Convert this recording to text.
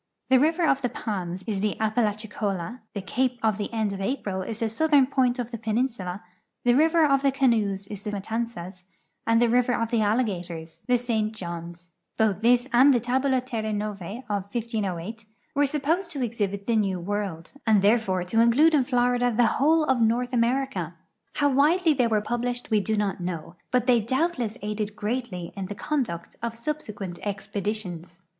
The River of the Palms is the Apalachicola, the Cape of the End of A])ril is the southern [mint of the j)cninsula, the River of the Canoes is the Matanzas, and the River of the Alligators the *St. Johns. Both this and the Tnhula Terre Xovc of 1508 were supposed to exhil)it the new world, and therefore to include in Florida the 25 I 382 GEOGRAPHY OF THE SOUTHERN PENINSULA wliole of North Aniericu. How widely they were published we do not know, but they doul)tless aided great!}' in the conduct of sul)se(pient ex]>editions.